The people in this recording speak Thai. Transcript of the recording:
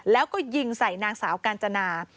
แล้วก็ยิงใส่นางสาวกาญจนา